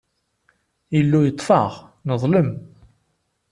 Illu yeṭṭef-aɣ, neḍlem.